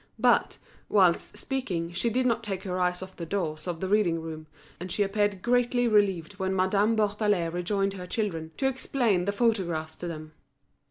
But, whilst speaking, she did not take her eyes off the doors of the reading room; and she appeared greatly relieved when Madame Bourdelais rejoined her children, to explain the photographs to them.